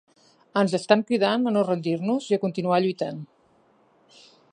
Ens estan cridant a no rendir-nos i a continuar lluitant!